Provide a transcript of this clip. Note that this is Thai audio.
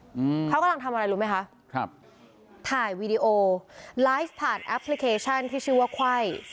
อืมเขากำลังทำอะไรรู้ไหมคะครับถ่ายวีดีโอไลฟ์ผ่านแอปพลิเคชันที่ชื่อว่าไขว้